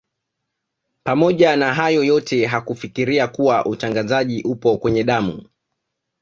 Pamoja na hayo yote hakufikiria kuwa utangazaji upo kwenye damu